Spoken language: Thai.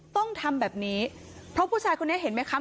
ต้องทำแบบนี้เพราะผู้ชายคนนี้เห็นไหมคะ